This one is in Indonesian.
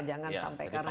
jangan sampai karena ini